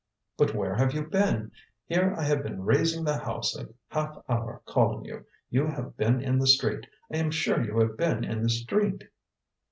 "But where have you been? Here I have been raising the house a half hour, calling you. You have been in the street. I am sure you have been in the street."